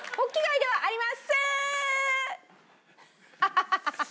ハハハハハ！